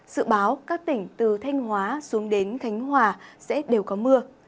dự báo các tỉnh từ thanh hóa xuống đến khánh hòa sẽ đều có mưa